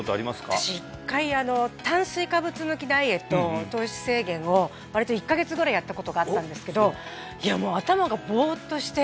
私１回炭水化物抜きダイエット糖質制限を割と１カ月ぐらいやったことがあったんですけどいや